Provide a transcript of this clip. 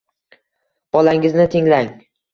bolangizni tinglang